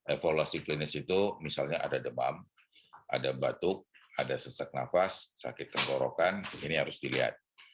evaluasi klinis itu misalnya ada demam ada batuk ada sesak nafas sakit tenggorokan ini harus dilihat